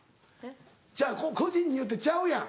ちゃう個人によってちゃうやん。